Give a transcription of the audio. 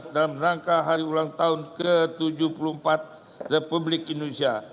dalam rangka hari ulang tahun ke tujuh puluh empat republik indonesia